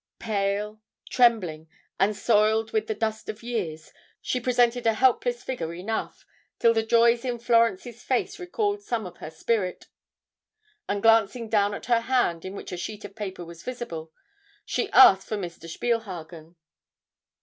Pale, trembling, and soiled with the dust of years, she presented a helpless figure enough, till the joy in Florence's face recalled some of her spirit, and, glancing down at her hand in which a sheet of paper was visible, she asked for Mr. Spielhagen.